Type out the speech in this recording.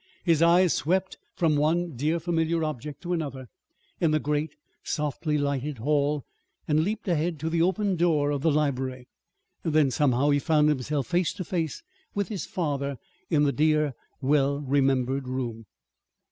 His eyes swept from one dear familiar object to another, in the great, softly lighted hall, and leaped ahead to the open door of the library. Then, somehow, he found himself face to face with his father in the dear, well remembered room.